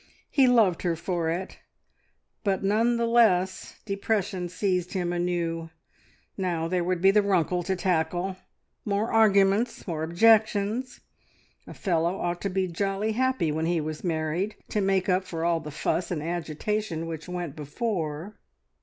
He loved her for it, but none the less depression seized him anew. Now there would be the Runkle to tackle! More arguments! More objections! A fellow ought to be jolly happy when he was married, to make up for all the fuss and agitation which went before...